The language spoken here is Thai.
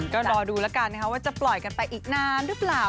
ก็รอดูแล้วกันนะคะว่าจะปล่อยกันไปอีกนานหรือเปล่า